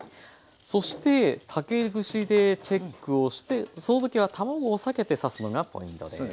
そして竹串でチェックをしてその時は卵を避けて刺すのがポイントです。